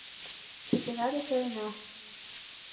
Шӱкена да каена.